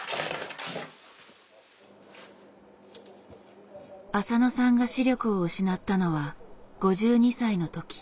浅野さんが視力を失ったのは５２歳の時。